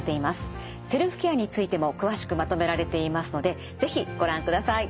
セルフケアについても詳しくまとめられていますので是非ご覧ください。